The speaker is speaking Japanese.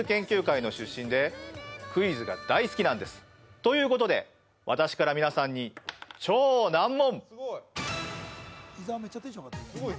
ということで私から皆さんに超難問！